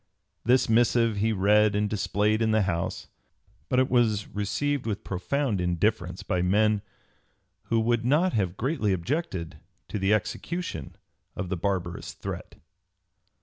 This missive he read and displayed in the House, but it was received with profound indifference by men who would not have greatly objected to the execution of the barbarous threat.